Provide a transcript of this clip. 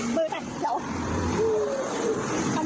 กระทั่งอิ๊ม